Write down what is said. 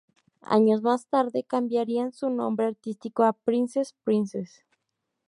Años más tarde cambiarían su nombre artístico a "Princess Princess".